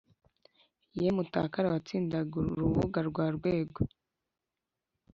ye mutakara watsindaga rubuga rwa rwego,